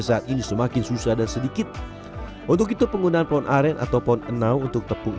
saat ini semakin susah dan sedikit untuk itu penggunaan pohon aren atau pohon enau untuk tepung